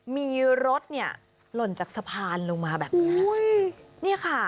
มีรถเนี่ยหล่นจากสะพานลงมาแบบนี้เนี่ยค่ะ